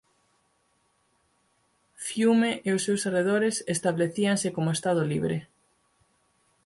Fiume e os seus arredores establecíanse como Estado libre.